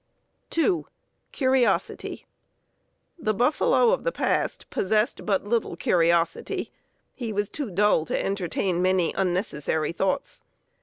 (2) Curiosity. The buffalo of the past possessed but little curiosity; he was too dull to entertain many unnecessary thoughts.